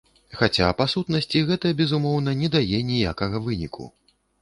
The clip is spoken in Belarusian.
Хаця па сутнасці гэта, безумоўна, не дае ніякага выніку.